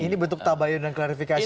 ini bentuk tabayun dan klarifikasi